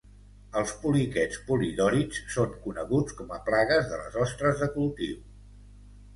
Els poliquets polidòrids són coneguts com a plagues de les ostres de cultiu.